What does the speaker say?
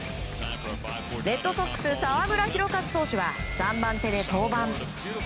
レッドソックスの澤村拓一投手は３番手で登板。